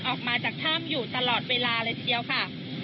ออกมาจากถ้ำอยู่ตลอดเวลาเลยทีเดียวค่ะ